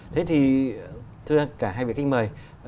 thế thì thưa cả hai vị khách mời